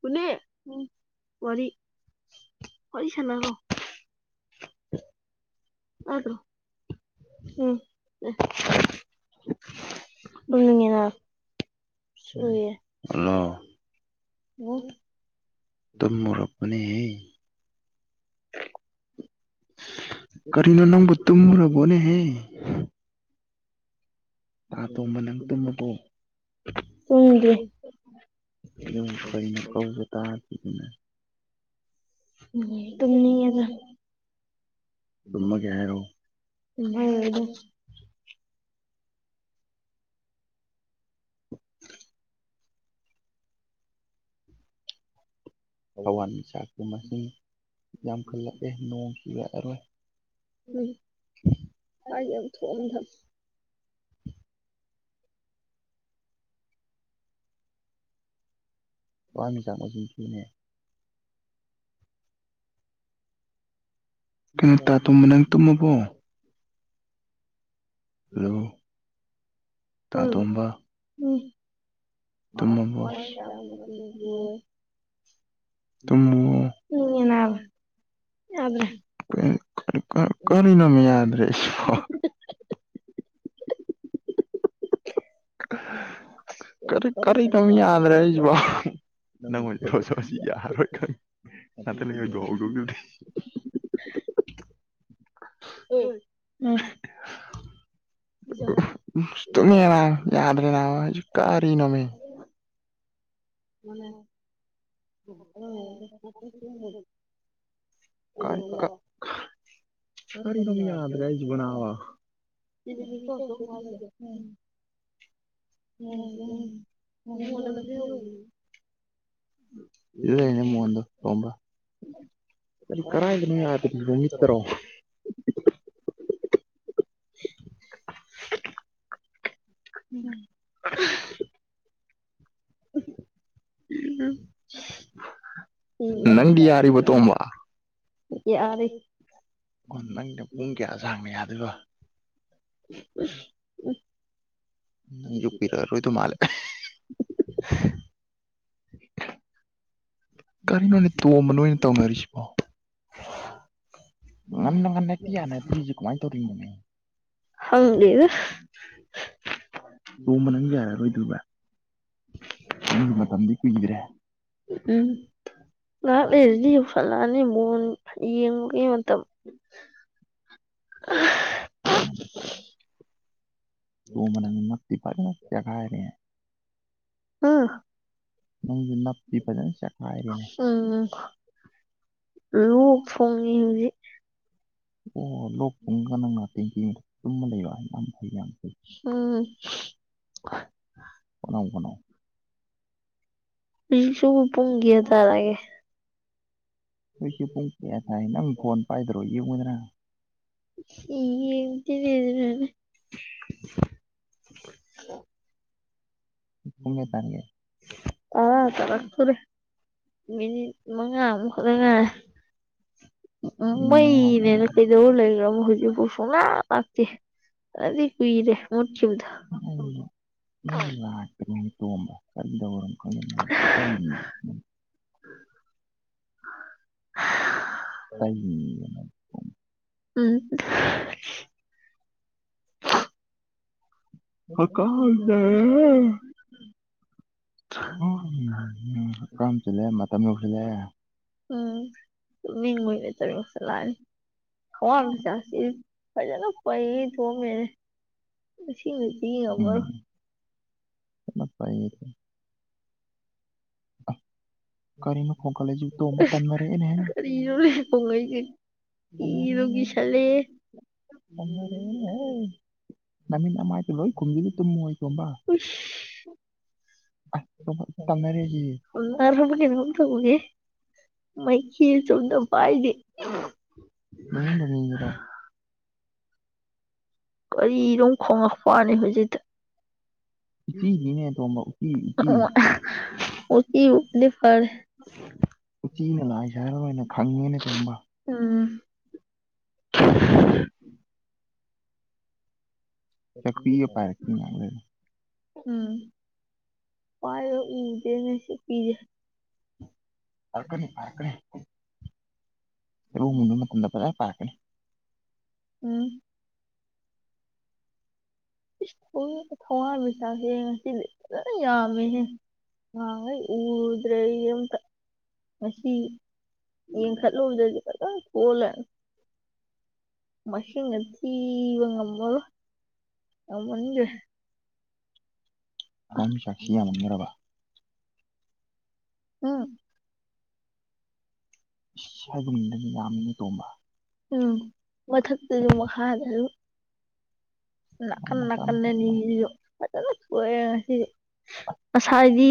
ꯀꯨꯅꯦ ꯎꯝ ꯋꯥꯔꯤ ꯋꯥꯔꯤ ꯁꯟꯅꯥꯔꯣ [inaudible] ꯇꯗ꯭ꯔꯣ [unintelligible] ꯍꯜꯂꯣ ꯇꯨꯝꯃꯨꯔꯄꯅꯦꯍꯦ ꯀꯔꯤꯅꯣ ꯅꯪꯕꯨ ꯇꯨꯝꯃꯨꯔꯕꯣꯅꯦꯍꯦ ꯇꯥ ꯇꯣꯝꯕ ꯅꯪ ꯇꯨꯝꯃꯕꯣ ꯀꯔꯤꯅꯣ ꯀꯧꯕ ꯇꯗꯔꯤꯗꯨꯅ [unintelligible] ꯇꯨꯝꯅꯤꯡꯉꯦꯗ ꯇꯨꯝꯃꯒꯦ ꯍꯥꯏꯔꯣ ꯇꯨꯝꯍꯩꯔꯣꯏꯗ ꯊꯋꯥꯟꯃꯤꯆꯥꯛꯀꯤ ꯃꯁꯤꯡ ꯌꯥꯝꯈꯠꯂꯛꯑꯦ ꯅꯣꯡ ꯆꯨꯨꯔꯛꯑꯔꯣꯏ ꯁꯋꯥꯏꯖꯦ ꯌꯥꯝ ꯊꯣꯛꯑꯝꯃꯤꯗ ꯊꯋꯥꯟ ꯃꯤꯆꯥꯛ ꯃꯁꯤꯡ ꯊꯤꯌꯣꯅꯦ ꯀꯩꯅꯣ ꯇꯥ ꯇꯨꯝꯕ ꯅꯪ ꯇꯨꯝꯃꯕꯣ ꯍꯥꯜꯂꯣ ꯍꯣꯏ ꯎꯝ ꯇꯨꯝꯃꯕꯣ ꯊꯋꯥꯟ ꯃꯤꯆꯥꯛ ꯃꯁꯤꯡ ꯊꯤꯌꯣꯌꯦ [unintelligible] [unintelligible] ꯀꯔꯤꯅꯣꯃꯦ ꯌꯥꯗꯔꯤꯁꯤꯕꯣ [inaudible] ꯀꯔꯤ ꯀꯔꯤꯅꯣꯃꯤ ꯌꯥꯗꯔꯦ ꯍꯥꯏꯖꯤꯕꯣ [unintelligible] ꯌꯥꯔꯔꯣꯏ ꯈꯪꯉꯦ ꯉꯥꯏꯇꯪ ꯂꯩꯔꯥ ꯍꯧꯗꯣꯛꯑꯣ [unintelligible] ꯇꯨꯝꯅꯤꯉꯦ ꯍꯥꯏꯕ ꯌꯥꯗꯔꯦ ꯍꯥꯏꯕ ꯀꯔꯤꯅꯣꯃꯤ [unintelligible] ꯀꯔ ꯀ ꯀꯔꯤꯅꯃꯤ ꯌꯥꯗ ꯔꯁꯤꯕꯅꯥꯋꯥ ꯎꯂꯕ ꯏ ꯂꯩꯩꯅ ꯃꯉꯟꯗ ꯇꯣꯝꯕ꯭ꯔ ꯀꯔꯤ ꯀꯔꯏꯗꯅꯣ ꯌꯥꯗꯅꯕꯣ ꯃꯤꯠꯇꯔꯣ [unintelligible] [inaudible] ꯎꯝ ꯅꯪꯗꯤ ꯌꯥꯔꯤꯕꯣ ꯇꯣꯝꯕ ꯑꯣ ꯅꯪꯅ ꯄꯨꯡ ꯀꯌꯥ ꯁꯥꯡꯕ ꯌꯥꯗꯣꯏꯕ ꯎ [unintelligible] [inaudible] ꯅꯪ ꯌꯄꯤꯔꯛꯑꯔꯣꯏꯗꯧ ꯃꯥꯂꯦ ꯀꯔꯤꯅꯣꯅꯦ ꯇꯣꯝꯕ ꯅꯣꯏꯅ ꯇꯧꯅꯔꯤꯁꯤꯕꯣ ꯉꯟꯅ ꯉ ꯅꯠꯇꯤꯅ ꯐꯔꯤꯖꯨ ꯀꯃꯥꯏ ꯇꯧꯔꯤꯅꯣꯅꯦ ꯈꯪꯗꯦꯗ ꯇꯣꯡꯝꯕ ꯅꯪ ꯌꯥꯔꯛꯔꯣꯏꯗꯕ ꯅꯪꯒꯤ ꯃꯇꯝꯗꯤ ꯀꯨꯏꯗ꯭ꯔꯦ ꯎꯝ ꯂꯥꯛ ꯂꯩꯗꯤ ꯐꯂꯅꯤ ꯃꯣꯟ ꯌꯦꯡ ꯑꯗꯨ ꯎꯝ ꯇꯃꯔꯅ ꯃ ꯄꯔꯒ ꯍꯥꯏꯔꯦ ꯑꯥ ꯅꯪꯁꯨ ꯅꯞꯄꯤ ꯐꯖꯅ ꯆꯈꯥꯏꯔꯦꯅꯦ ꯂꯣꯛ ꯊꯨꯡꯉꯤ ꯍꯧꯖꯤꯛ ꯑꯣ ꯂꯣꯛꯇꯨꯡꯒ ꯅꯪꯅ ꯇꯦꯡꯀꯤꯗ ꯆꯨꯝꯕ ꯂꯩꯕ ꯍꯥꯏ ꯌꯥꯝ ꯐꯩ ꯌꯥꯝ ꯐꯩ ꯎꯝ ꯍꯣꯠꯅꯧ ꯍꯣꯠꯅꯧ ꯂꯤꯛꯁꯨ ꯄꯨꯡꯒꯤ ꯍꯥꯏꯇꯥꯔꯛꯑꯒꯦ ꯍꯨꯏꯁꯨ ꯄꯣꯡꯈꯌꯥ ꯊꯥꯏ ꯅꯪ ꯐꯣꯟ ꯄꯥꯏꯗ꯭ꯔꯣ ꯌꯦꯡꯉꯨꯗꯅ ꯌꯦꯡꯗꯤꯅꯦ ꯑꯗꯨꯅꯦ ꯇꯥꯔꯥ ꯇꯥꯔꯛ ꯇꯣꯔꯦ ꯃꯤꯅꯤꯠ ꯃꯉꯥ ꯃꯨꯛ ꯈꯇ ꯉꯥꯏꯔꯦ ꯎꯝ ꯃꯩꯅꯦꯅ ꯀꯩꯗꯧ ꯂꯩ꯭ꯔ ꯍꯧꯖꯤꯛꯕꯨ ꯁꯨꯡꯅ ꯄꯇꯦ ꯑꯗꯨ ꯎꯏꯔꯦ ꯃꯗ ꯀꯩꯅꯣꯃꯦ ꯇꯣꯝꯕ ꯀꯩꯗꯧꯔꯣꯃꯣ ꯈꯪꯗꯦ ꯃꯁꯤ ꯆꯩ ꯅꯤꯌꯦ ꯍꯥ ꯆꯩ ꯅꯤꯔꯤꯌꯦ ꯅꯪ ꯎꯝ [inaudible] ꯎ ꯎ ꯀꯔꯝ ꯆꯜꯂꯦ ꯃꯇꯝ ꯌꯧꯁꯤꯜꯂꯑꯦ ꯎꯝ ꯇꯨꯝꯅꯤꯡꯕꯩ ꯃꯇꯝ ꯌꯧꯁꯜꯂꯛꯑꯅꯤ ꯍꯋꯥ ꯆ ꯐꯖꯅ ꯄꯩ ꯊꯣꯛ ꯃꯅꯦ ꯁꯤꯃꯗꯤ ꯌꯦꯡꯉꯝ ꯃꯔꯣꯏ ꯄꯥꯏ ꯀꯔꯤꯅ ꯈꯣꯡ ꯀꯂꯦ ꯇꯣ ꯇꯟ ꯃꯔꯔꯦꯅꯦ ꯍ ꯃꯤꯔꯣ ꯀꯣꯡ ꯒꯩꯏꯁꯦ ꯀꯤꯕꯨꯀꯤꯁꯜꯂꯛꯑꯦꯍꯦ ꯑꯔ ꯅꯃꯤꯠ ꯑꯃꯃꯥꯏꯗ ꯂꯣꯏ ꯈꯨꯝꯖꯤꯂ ꯇꯨꯝꯃꯨ ꯑꯩꯀꯣꯕ ꯑꯣꯟꯅꯔꯝꯕ ꯀꯤꯔꯣ ꯊꯛꯉꯨꯅꯦꯍꯦ ꯃꯩꯈꯦꯠꯁꯨ ꯑꯝꯇ ꯄꯥꯏꯗꯦ ꯎꯝ ꯀꯔꯤꯔꯣꯝ ꯈꯣꯉꯛꯄꯅꯤ ꯍꯧꯖꯤꯛꯇ ꯑꯣ [unintelligible] ꯎꯆꯤꯅ ꯂꯥꯏ ꯁꯥꯔꯒ ꯑꯣꯏꯅ ꯈꯪꯉꯦꯅꯦ ꯇꯣꯝꯕ [inaudible] ꯁꯦꯛꯄꯤꯒ ꯄꯥꯏꯔꯛꯈꯤꯅꯤ ꯉꯍꯥꯛ ꯂꯩꯔ ꯎꯝ ꯄꯥꯏꯔ ꯎꯗꯦꯅꯦ ꯁꯦꯛꯄꯤꯖꯦ ꯄꯥꯏꯔꯛꯀꯅꯤ ꯄꯥꯏꯔꯛꯀꯅꯤ ꯂꯧ ꯃꯨꯟꯕ ꯃꯇꯝꯗ ꯐꯖ ꯄꯥꯏꯔꯛꯀꯅꯤ ꯎꯝ ꯏꯁ ꯊꯥꯋꯟ ꯊꯥꯋꯥꯟꯃꯤꯆꯥꯛꯁꯦ ꯉꯁꯤꯗꯤ ꯐꯖꯅ ꯌꯥꯝꯃꯦꯍꯦ ꯅꯍꯥꯟꯒꯩ ꯎꯔꯨꯗ꯭ꯔꯦꯌꯦ ꯑꯝꯇꯥ ꯉꯁꯤ ꯌꯦꯡꯈꯠꯂꯨꯕꯗꯗꯤ ꯐꯖ [unintelligible] ꯃꯁꯤꯡꯒ ꯊꯤꯕ ꯉꯝꯃꯔꯣꯏ ꯌꯥꯝꯃꯟꯒ꯭ꯔꯦ ꯊꯋꯥꯜ ꯃꯤꯆꯥꯛꯁꯤ ꯌꯥꯝꯃꯟꯒ꯭ꯔꯕ [unintelligible] ꯏꯁ ꯍꯥꯏꯒꯨꯝꯗꯅ ꯌꯥꯝꯃꯤꯅꯦ ꯇꯣꯝꯕ ꯎꯝ ꯃꯊꯛꯇꯁꯨ ꯃꯈꯥꯗꯖꯨ ꯅꯥꯀꯟ ꯅꯥꯀꯟ ꯑꯅꯤꯖꯤꯖꯨ ꯐꯖꯥꯅ ꯊꯣꯛꯑꯦ ꯉꯁꯤꯗꯤ ꯉꯁꯥꯏꯗꯤ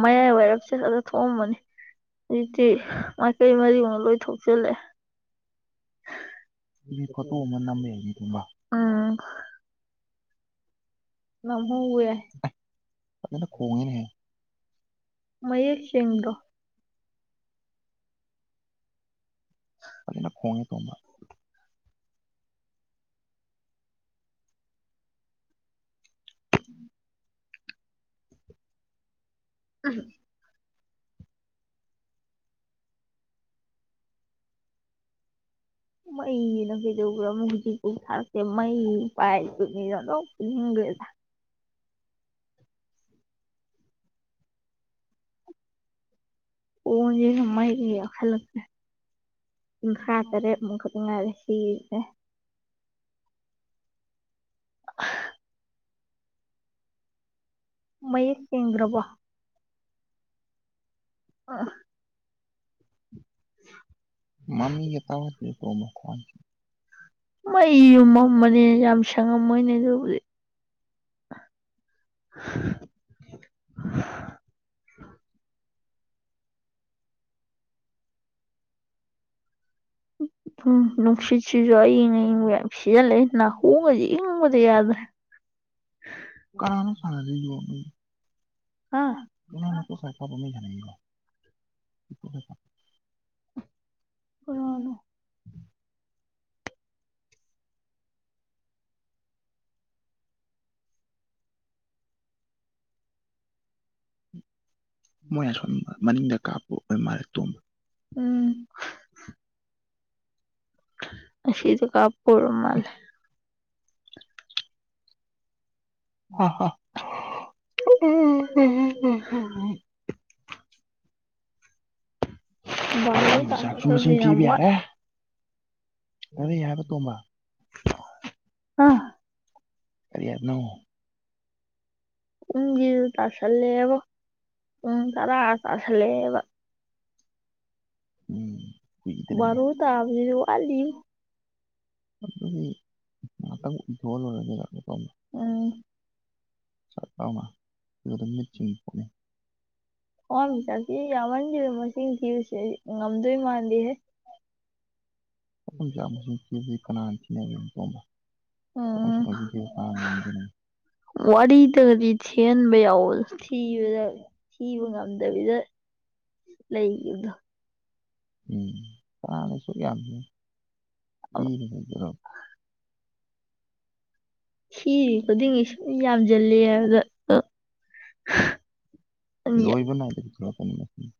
ꯃꯌꯥꯏ ꯋꯥꯏꯔꯞ ꯆꯠꯂꯒ ꯊꯣꯛꯑꯝꯕꯅꯤ ꯍꯧꯖꯤꯛꯇꯤ ꯃꯥꯏꯀꯩ ꯃꯔꯤꯃꯛ ꯂꯣꯏ ꯊꯣꯛꯆꯤꯜꯂꯦ [unintelligible] ꯑ ꯑꯥꯏ ꯐꯖꯅ ꯈꯣꯡꯉꯤꯅꯦꯍꯦ ꯃꯌꯦꯛ ꯁꯦꯡꯗꯣ ꯐꯖꯅ ꯈꯣꯡꯉꯦ ꯇꯣꯝꯕꯥ [inaudible] [unintelligible] ꯃꯩꯖꯤꯅ ꯀꯩꯗꯧꯒ꯭ꯔꯝꯅꯣ ꯍꯨꯖꯤꯛꯄꯧ ꯊꯥꯔꯛꯇꯦ ꯃꯩ ꯄꯥꯏꯔꯤꯕ ꯃꯤꯗꯣ ꯑꯣꯟꯊꯣꯛ ꯅꯤꯡꯒ꯭ꯔꯦꯗ ꯐꯣꯟꯖꯤꯅ ꯃꯩꯒ ꯌꯥꯎꯁꯜꯂꯛ ꯀꯨꯟꯊ꯭ꯔꯥ ꯇꯔꯦꯠ ꯃꯨꯛ ꯈꯛ ꯉꯥꯏꯔꯦ ꯁꯤꯒꯤꯁꯦ [unintelligible] ꯃꯌꯦꯛ ꯁꯦꯡꯗ꯭ꯔꯕꯣ [unintelligible] ꯃꯥꯃꯤꯒ ꯇꯧꯗꯦ ꯇꯣꯝꯕ [unintelligible] ꯃꯩꯌꯨꯝ ꯃꯝꯕꯅꯦ ꯌꯥꯝ ꯁꯥ ꯁꯪꯉꯝꯃꯣꯏꯅꯦ ꯗꯨꯕꯨꯗꯤ ꯑ ꯅꯨꯡꯁꯤꯠꯁꯤꯖꯨ ꯑꯏꯪ- ꯑꯏꯪꯕ ꯌꯥꯝ ꯁꯤꯠꯆꯜꯂꯛꯏ ꯅꯥꯀꯣꯡꯒꯖꯦ ꯏꯪꯕꯗ ꯌꯥꯗ꯭ꯔꯦ ꯀꯅꯥꯅꯣ ꯁꯥꯟꯅꯔꯤꯗꯨꯕꯣ [unintelligible] ꯀꯅꯥꯅꯣ [unintelligible] [unintelligible] ꯎꯝ ꯃꯣꯏ ꯑꯁꯣꯝ ꯃꯅꯤꯡꯗ ꯀꯥꯞꯄ ꯑꯣꯏꯔ ꯃꯥꯜꯂꯦ ꯇꯣꯝꯕ ꯎꯝ ꯉꯁꯤꯗꯨ ꯀꯥꯞꯄ ꯑꯣꯏꯔꯃꯥꯟꯂꯦ ꯍꯥ ꯍꯥ [unintelligible] ꯊꯋꯥꯟꯃꯤꯆꯥꯛ ꯁꯨ ꯃꯁꯤꯡ ꯊꯤꯕ ꯌꯥꯔꯦ ꯀꯔꯤ ꯍꯥꯏꯕ ꯇꯣꯝꯕ ꯅꯪ ꯀꯔꯤ ꯍꯥꯏꯕꯅꯣ ꯄꯨꯡꯖꯤꯖꯨ ꯇꯥꯁꯜꯂꯦꯕꯣ ꯄꯨꯡ ꯇꯔꯥ ꯇꯥꯁꯜꯂꯛ ꯑꯦꯕꯥ ꯎꯝ ꯀꯨꯏꯗꯔꯥꯃꯦ ꯑꯗꯨꯗꯤ ꯉꯥꯛꯇꯪ ꯑꯨꯏꯊꯣꯛꯑ ꯂꯣꯏꯔꯦ ꯀꯩꯅꯣ [unintelligible] ꯐꯠ ꯂꯥꯎꯅ ꯗꯨꯗꯨꯝ ꯃꯤꯠꯆꯤꯡ [unintelligible] ꯊꯋꯥꯟꯃꯤꯆꯥꯛꯁꯤ ꯌꯥꯝꯃꯟꯈꯤꯗ ꯃꯁꯤꯡ ꯊꯤꯕꯁꯤ ꯑꯩ ꯉꯝꯗꯣꯏ ꯃꯥꯟꯗꯦꯍꯦ ꯃꯐꯝꯁꯦ ꯌꯥꯝ ꯅꯤꯡꯊꯤꯖꯩ ꯀꯅꯥꯅ ꯊꯤꯅꯩꯕ ꯃꯐꯝꯅꯣ [unintelligible] ꯋꯥꯔꯤꯗꯒꯗꯤ ꯊꯤꯍꯟꯕ ꯌꯥꯎꯕꯗꯣ ꯊꯤꯕꯗ ꯊꯤꯕ ꯉꯝ ꯗꯕꯤꯗ ꯂꯩꯗꯤꯕꯗꯣ ꯎꯝ ꯈꯥꯡꯅꯁꯨꯛ ꯌꯥꯝꯃ ꯄꯤꯔꯤꯕ ꯁꯤꯔꯤ ꯈꯨꯗꯤꯡꯒꯤ ꯁꯨꯝ ꯌꯥꯝꯖꯜꯂꯦ ꯍꯥꯏꯕꯗ ꯑ ꯍ ꯂꯣꯏꯕ ꯅꯥꯏꯗꯕꯤ [unintelligible]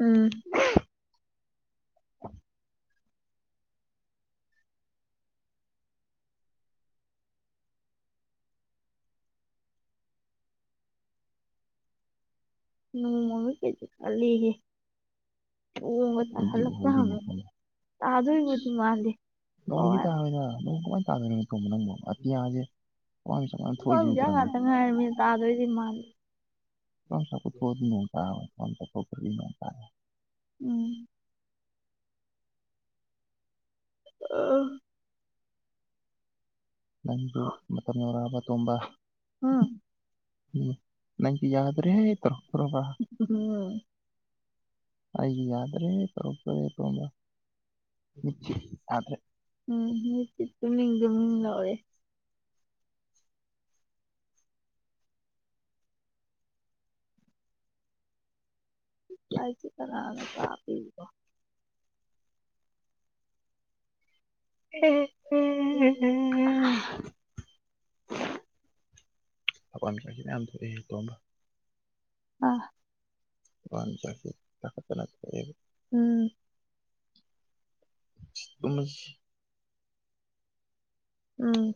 ꯎꯝ ꯅꯣꯡꯃꯪꯕ ꯀꯥꯏꯁꯦ ꯇꯜꯂꯦꯍꯦ [unintelligible] ꯅꯣꯡꯗꯤ ꯇꯥꯔꯥꯏꯗ ꯅꯣꯡ ꯀꯃꯥꯏꯅ ꯇꯥꯗꯣꯏꯅꯣ ꯇꯣꯡꯕꯥ ꯅꯪꯕ ꯑꯇꯤꯌꯥꯁꯦ꯫ ꯊꯋꯥꯟ ꯃꯤꯆꯥꯛ ꯉꯥꯛꯇ ꯉꯥꯏꯔꯃꯤꯅ ꯇꯗꯣꯏꯗꯤ ꯃꯥꯜꯂꯤ꯫ ꯊꯋꯥꯟꯃꯤꯆꯥꯛꯄꯨ ꯊꯣꯛꯑꯗꯤ ꯅꯣꯡꯇꯔꯣꯏ ꯊꯋꯥꯟꯃꯤꯆꯥꯛ ꯊꯣꯛꯇ꯭ꯔꯗꯤ ꯅꯣꯡꯇꯔꯦ ꯎꯝ [unintelligible] [inaudible] ꯅꯪꯁꯨ ꯃꯇꯝ ꯌꯧꯔꯛꯑꯕ ꯇꯣꯝꯕ ꯍꯥ ꯎꯝ ꯅꯪꯒꯤ ꯌꯥꯗ꯭ꯔꯦꯍꯦ ꯇꯧꯔꯛꯇꯣꯔꯕ꯭ꯔꯥ ꯎꯝ ꯑꯩꯁꯨ ꯌꯥꯗ꯭ꯔꯦꯍꯦ ꯀꯄꯔꯦꯍꯦ ꯇꯣꯝꯕ ꯃꯤꯠꯁꯦ ꯌꯥꯗꯔꯦ꯫ ꯎꯝ ꯃꯤꯠꯁꯤ ꯇꯨꯝꯅꯤꯡ ꯇꯨꯝꯅꯤꯡ ꯂꯧꯔꯦ꯫ ꯥꯂꯥꯏꯔꯤꯛꯁꯦ ꯀꯅꯥꯅ ꯄꯥꯗꯣꯔꯤꯕꯣ [unintelligible] ꯊꯋꯥꯟꯃꯤꯆꯛꯁꯦ ꯃꯥꯌꯝ ꯊꯣꯛꯏꯍꯦ ꯇꯣꯝꯕꯥ ꯑꯥ ꯊꯋꯥꯟꯃꯤꯆꯥꯛꯁꯤ ꯇꯈꯠꯇꯥꯅ ꯊꯣꯛꯑꯦꯍꯦ ꯎꯝ ꯇꯨꯝꯃꯁꯤ꯫ ꯎꯝ